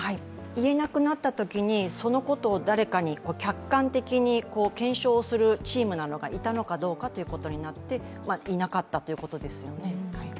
言えなくなったときに、そのことを誰かに客観的に検証するチームなのか、いたのかどうかということになっていなかったということですよね。